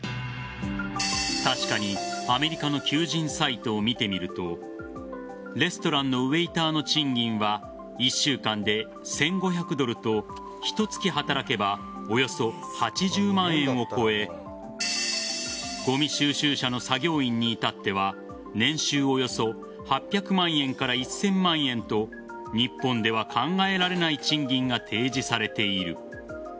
確かにアメリカの求人サイトを見てみるとレストランのウエイターの賃金は１週間で１５００ドルとひと月働けばおよそ８０万円を超えごみ収集車の作業員に至っては年収およそ８００万円から１０００万円と日本では考えられない賃金が提示されている。